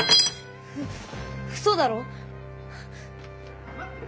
ううそだろ！？